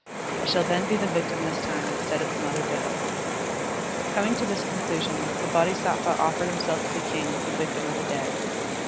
I shall then be the victim this time instead of the mother doe." Coming to' this conclusion, the Bodhisattva offered himself to the king as the victim of the day.